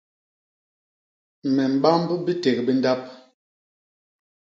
Me mbamb biték bi ndap.